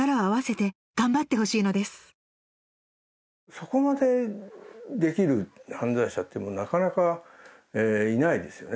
そこまでできる犯罪者ってなかなかいないですよね。